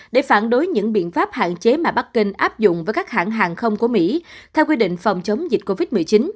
để phản đối những biện pháp hạn chế mà bắc kinh áp dụng với các hãng hàng không của mỹ theo quy định phòng chống dịch covid một mươi chín